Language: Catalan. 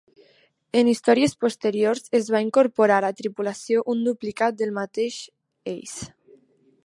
En històries posteriors, es va incorporar a la tripulació un duplicat del mateix Ace.